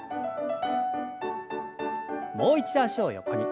もう一度脚を横に。